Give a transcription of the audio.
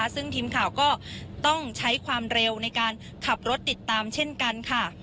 ซึ่งทีมข่าวก็ต้องใช้ความเร็วในการขับรถติดตามเช่นกันค่ะ